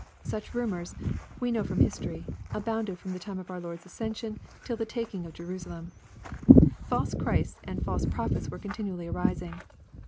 Such ru mors^ we know from history, abounded from the time of our Lord's ascension till the taking of Jerusalem. False Christs and false prophets were continually arising.